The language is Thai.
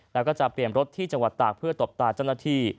แล้วก็จะเปลี่ยนรถที่จังหวัดตากเพื่อตบตาเจ้าหน้าที่